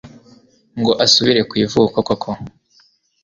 ngo asubire kwivuko koko